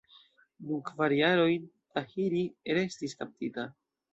Dum kvar jaroj Tahirih restis kaptita.